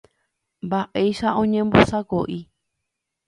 Mba'éicha oñembosako'i.